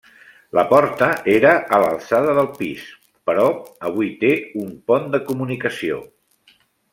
La porta era a l'alçada del pis, però avui té un pont de comunicació.